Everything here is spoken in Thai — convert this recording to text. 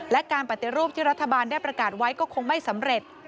และการปฏิรูปที่รัฐบาลได้ประกาศไว้ก็คงไม่สำเร็จ